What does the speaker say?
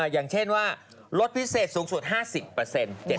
อย่างเช่นว่ารถพิเศษสูงสุด๕๐เปอร์เซ็นต์